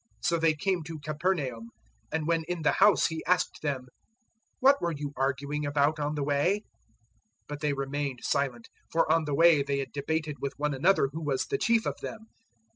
009:033 So they came to Capernaum; and when in the house He asked them, "What were you arguing about on the way?" 009:034 But they remained silent; for on the way they had debated with one another who was the chief of them.